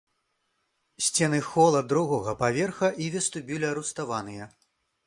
Сцены хола другога паверха і вестыбюля руставаныя.